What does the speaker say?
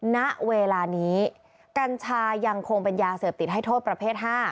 ณเวลานี้กัญชายังคงเป็นยาเสพติดให้โทษประเภท๕